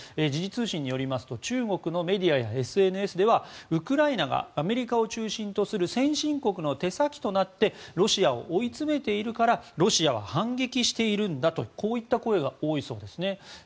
時事通信によりますと中国のメディアやＳＮＳではウクライナがアメリカを中心とする先進国の手先となってロシアを追い詰めているからロシアは反撃しているんだとこういった声が多いそうですね。